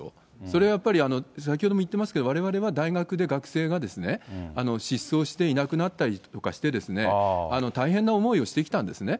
それはやっぱり先ほども言ってますけど、われわれは大学で学生が失踪していなくなったりとかして、大変な思いをしてきたんですね。